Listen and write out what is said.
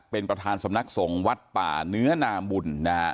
เป็นประธานสำนักศงศ์วัตย์ป่าเนื้อน้ำบุญ